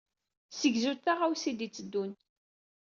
Segzu-d taɣawsa i d-iteddun.